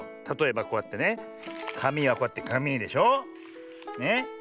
たとえばこうやってねかみはこうやってかみでしょ。ね。